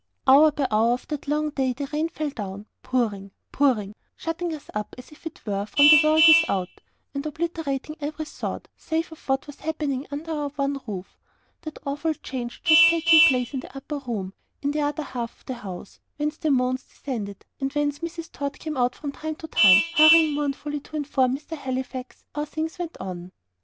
Hour by hour of that long day the rain fell down pouring, pouring shutting us up, as it were, from the world without, and obliterating every thought, save of what was happening under our one roof that awful change which was taking place in the upper room, in the other half of the house, whence the moans descended, and whence Mrs. Tod came out from time to time, hurrying mournfully to inform "Mr. Halifax" how things went on.